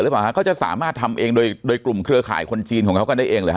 หรือเปล่าฮะก็จะสามารถทำเองโดยโดยกลุ่มเครือข่ายคนจีนของเขาก็ได้เองเลยฮะ